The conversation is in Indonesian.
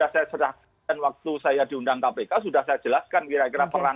saya serahkan waktu saya diundang kpk sudah saya jelaskan kira kira peran orang itu enam tahun